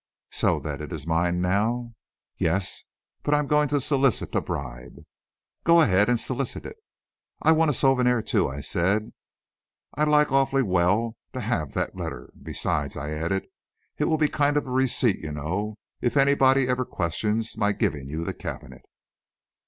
"So that it is mine now?" "Yes; but I'm going to solicit a bribe." "Go ahead and solicit it." "I want a souvenir, too," I said. "I'd like awfully well to have that letter besides," I added, "it will be a kind of receipt, you know, if anybody ever questions my giving you the cabinet."